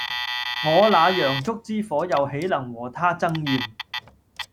我那洋燭之火又豈能和他爭艷